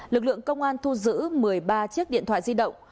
lực lượng công an thu giữ một mươi ba chiếc điện thoại di động